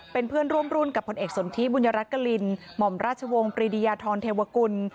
เป็นเพื่อนร่วมรุ่นกับผลเอกสนทิบุญรัฐกรินหม่อมราชวงศ์ปรีดียาธรเทวกุล